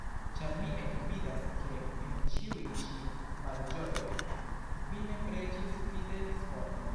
Ĉar mi ekvidas, ke en ĉiuj-ĉi malĝojoj vi ne preĝis, vi devis morti.